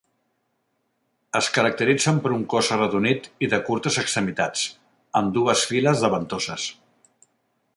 Es caracteritzen per un cos arrodonit i de curtes extremitats, amb dues files de ventoses.